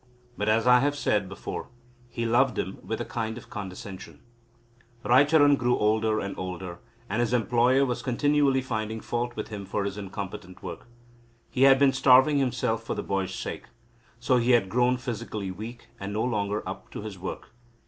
But, as I have said before, he loved him with a kind of condescension. Raicharan grew older and older, and his employer was continually finding fault with him for his incompetent work. He had been starving himself for the boy's sake. So he had grown physically weak, and no longer up to his work.